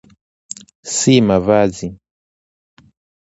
si mavazi